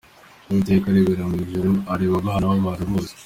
Uwiteka arebera mu ijuru, Areba abana b’abantu bose.